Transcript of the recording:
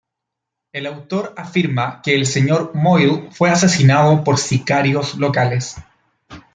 El autor afirma que el Sr. Moyle fue asesinado por sicarios locales.